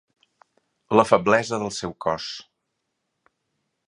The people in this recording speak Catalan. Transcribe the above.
La feblesa del seu cos.